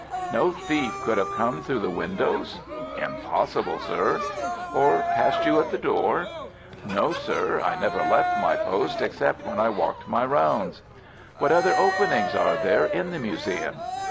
"No thief could have come through the windows?" "Impossible, sir." "Or passed you at the door?" "No, sir; I never left my post except when I walked my rounds." "What other openings are there in the museum?"